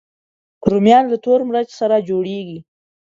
رومیان له تور مرچ سره جوړېږي